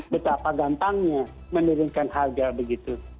betapa gampangnya menurunkan harga begitu